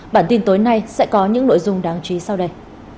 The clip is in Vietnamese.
bản tin tối nay sẽ có những nội dung đáng chí sau đây